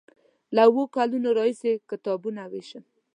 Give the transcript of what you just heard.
له اوو کلونو راهیسې کتابونه ویشم.